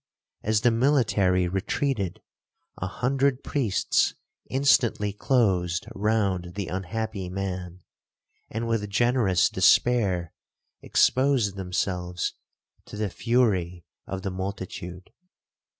As the military retreated, a hundred priests instantly closed round the unhappy man, and with generous despair exposed themselves to the fury of the multitude.